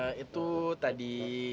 eh itu tadi